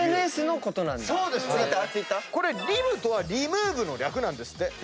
これ「リム」とはリムーブの略なんですって。